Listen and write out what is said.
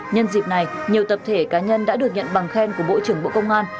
nhân dịp này nhiều tập thể cá nhân đã được nhận bằng khen của bộ trưởng bộ công an